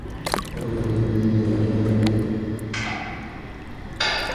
মানে, জানোই, আমাদের দুজনের মধ্যে বনে না।